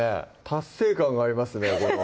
達成感がありますね